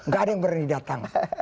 gak ada yang berani datang